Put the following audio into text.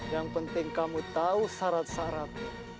yang penting kamu tahu syarat syarat